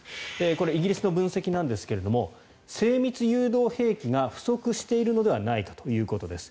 これ、イギリスの分析ですが精密誘導兵器が不足しているのではないかということです。